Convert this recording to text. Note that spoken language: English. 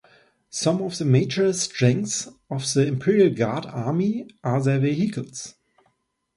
Some of the major strengths of the Imperial Guard army are their vehicles.